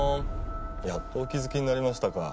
やっとお気づきになりましたか。